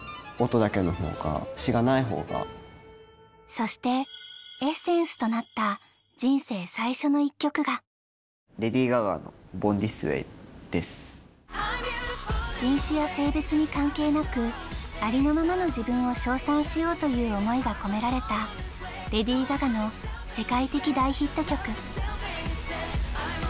そしてエッセンスとなった人種や性別に関係なくありのままの自分を賞賛しようという思いが込められたＬａｄｙＧａｇａの世界的大ヒット曲。